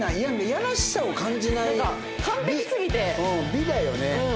美だよね。